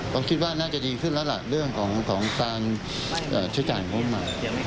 เราคิดว่าน่าจะดีขึ้นแล้วเรื่องของการใช้จ่ายของพวกมัน